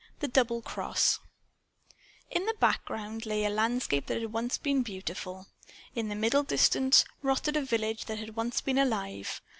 The Double Cross In the background lay a landscape that had once been beautiful. In the middle distance rotted a village that had once been alive.